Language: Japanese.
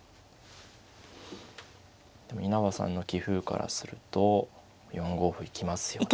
でも稲葉さんの棋風からすると４五歩行きますよね。